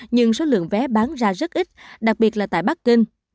nhưng số lượng vé bán ra rất ít đặc biệt là tại bắc kinh